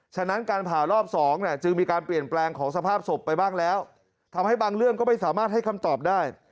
ฉะนั้นการผ่ารอบ๒จึงมีการเปลี่ยนแปลงของสภาพศพไปบ้างแล้วทำให้บางเรื่องก็ไม่สามารถให้คำตอบได้